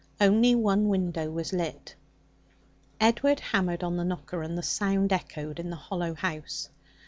Only one window was lit. Edward hammered on the knocker, and the sound echoed in the hollow house.